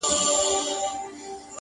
منتظر د ترقی د دې کهسار یو!